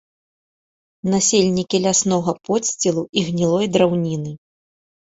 Насельнікі ляснога подсцілу і гнілой драўніны.